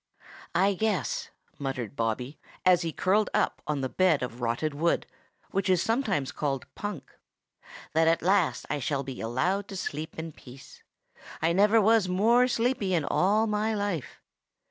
"I guess," muttered Bobby, as he curled up on the bed of rotted wood, which is sometimes called punk, "that at last I shall be allowed to sleep in peace. I never was more sleepy in all my life."